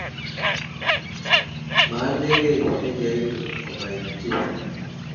Maanegei nekiaitu komait chi